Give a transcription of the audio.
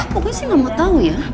pokoknya sih gak mau tau ya